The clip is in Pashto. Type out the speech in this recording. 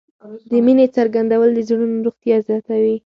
د مینې څرګندول د زړونو روغتیا زیاتوي.